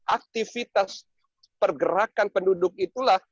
aktivitas pergerakan penduduk itulah